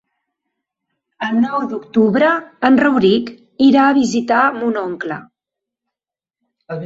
El nou d'octubre en Rauric irà a visitar mon oncle.